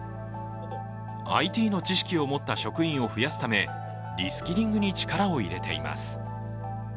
ＩＴの知識を持った職員を増やすためリスキリングに力を入れています。